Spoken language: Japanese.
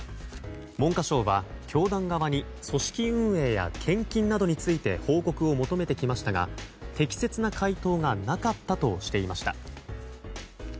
文科省は、教団側に組織運営や献金などについて報告を求めてきましたが適切な回答がなかったとしていました。